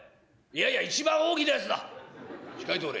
いやいや、一番大きいやつだ！